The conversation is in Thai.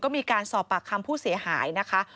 มีการสอบปากคำผู้เสียหายนะคะ